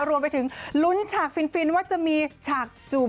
รวมไปถึงลุ้นฉากฟินว่าจะมีฉากจูบ